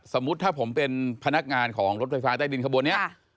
สมมุติถ้าผมเป็นพนักงานของรถไฟฟ้าใต้ดินขบวนนี้